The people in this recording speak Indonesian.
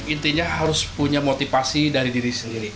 intinya harus punya motivasi dari diri sendiri